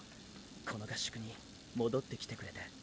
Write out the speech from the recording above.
この合宿に戻ってきてくれて。